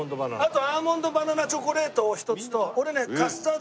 あとアーモンドバナナチョコレートを１つと俺ねカスタードキャラメル。